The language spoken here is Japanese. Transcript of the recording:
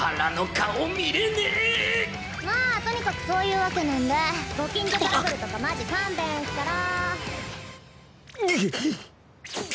まあとにかくそういうわけなんでご近所トラブルとかマジ勘弁っスから。